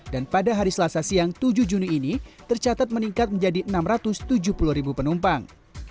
dan pada hari selasa siang tujuh juni ini tercatat meningkat menjadi enam ratus tujuh puluh ribu penumpang